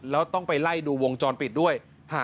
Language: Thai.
แล้วต้องไปไล่ดูวงจรปิดด้วย